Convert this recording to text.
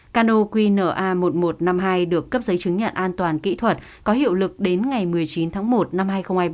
cano qna một nghìn một trăm năm mươi hai được cấp giấy chứng nhận an toàn kỹ thuật có hiệu lực đến ngày một mươi chín tháng một năm hai nghìn hai mươi ba